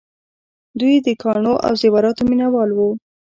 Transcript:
دوی د ګاڼو او زیوراتو مینه وال وو